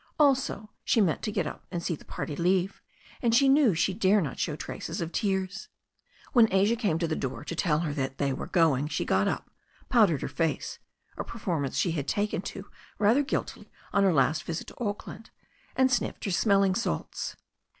Also, she meant to get up and see the party leave, and she knew she dare not show traces of tears. When Asia came to the door to tell her they were going she got up, powdered her face — a performance she had taken to rather guiltily on her last visit to Auckland — ^and sniffed her smelling salts.